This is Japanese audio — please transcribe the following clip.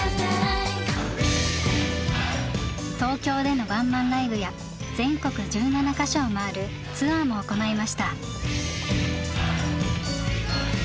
東京でのワンマンライブや全国１７か所を回るツアーも行いました。